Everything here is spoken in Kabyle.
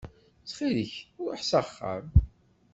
Ttxil-k ruḥ s axxam.